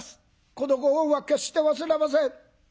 このご恩は決して忘れません。